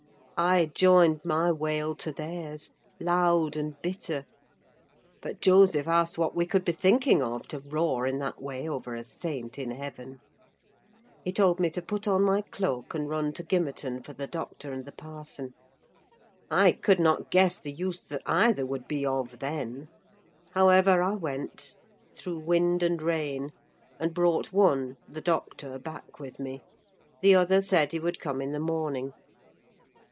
I joined my wail to theirs, loud and bitter; but Joseph asked what we could be thinking of to roar in that way over a saint in heaven. He told me to put on my cloak and run to Gimmerton for the doctor and the parson. I could not guess the use that either would be of, then. However, I went, through wind and rain, and brought one, the doctor, back with me; the other said he would come in the morning.